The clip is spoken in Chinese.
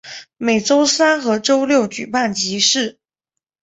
每周三和周六举办集市。